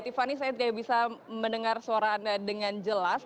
tiffany saya tidak bisa mendengar suara anda dengan jelas